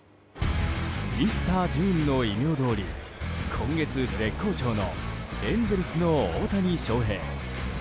ミスター・ジューンの異名どおり、今月絶好調のエンゼルスの大谷翔平。